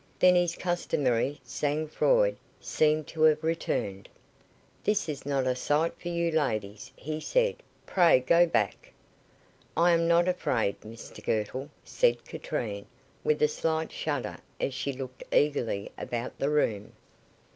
Then his customary sang froid seemed to have returned. "This is not a sight for you, ladies," he said. "Pray go back." "I am not afraid, Mr Girtle," said Katrine, with a slight shudder as she looked eagerly about the room.